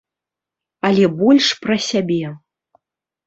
Але больш пра сябе.